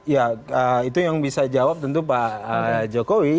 ya itu yang bisa jawab tentu pak jokowi